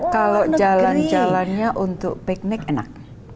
kalau jalan jalannya untuk piknik enak